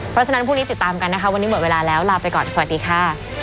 เพราะฉะนั้นพรุ่งนี้ติดตามกันนะคะวันนี้หมดเวลาแล้วลาไปก่อนสวัสดีค่ะ